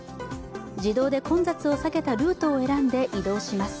自動で混雑を避けたルートを選んで移動します。